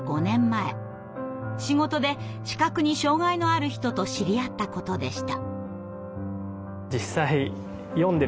仕事で視覚に障害のある人と知り合ったことでした。